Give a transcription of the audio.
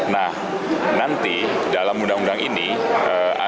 nah nanti dalam undang undang ini